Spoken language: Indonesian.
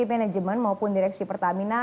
manajemen maupun direksi pertamina